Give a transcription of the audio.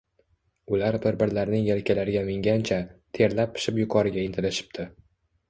Ular bir-birlarining yelkalariga mingancha, terlab-pishib yuqoriga intilishibdi